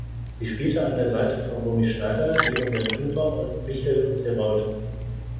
Sie spielte an der Seite von Romy Schneider, Lino Ventura und Michel Serrault.